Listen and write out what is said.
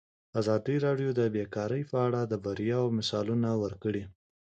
ازادي راډیو د بیکاري په اړه د بریاوو مثالونه ورکړي.